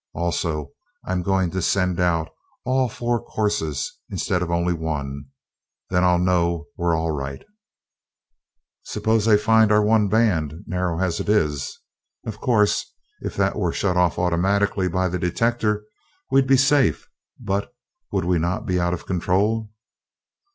Also, I'm going to send out all four courses, instead of only one then I'll know we're all right." "Suppose they find our one band, narrow as it is? Of course, if that were shut off automatically by the detector, we'd be safe; but would we not be out of control?"